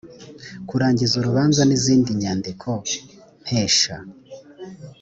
kurangiza urubanza n izindi nyandikompesha